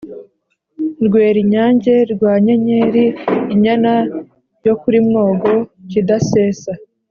Rwerinyange rwa Nyenyeri inyana yo kuri Mwogo-Ikidasesa.